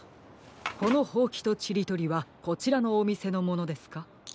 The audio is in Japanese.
このほうきとちりとりはこちらのおみせのものですか？